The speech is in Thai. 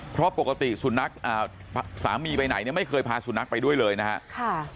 เพราะปกติสุนัขสามีไปไหนเนี่ยไม่เคยพาสุนัขไปด้วยเลยนะครับ